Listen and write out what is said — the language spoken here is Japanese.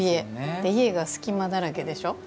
で、家が隙間だらけでしょう？